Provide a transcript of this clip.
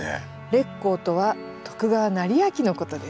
烈公とは徳川斉昭のことです。